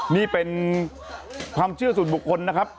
นี่เป็นความเชื่อส่วนบุคคลนะครับ